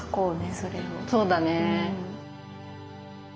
そうだね。